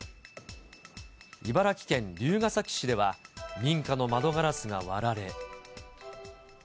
茨城県龍ケ崎市では、民家の窓ガラスが割られ。